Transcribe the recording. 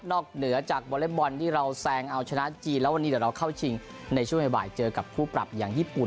เหนือจากวอเล็กบอลที่เราแซงเอาชนะจีนแล้ววันนี้เดี๋ยวเราเข้าชิงในช่วงบ่ายเจอกับคู่ปรับอย่างญี่ปุ่น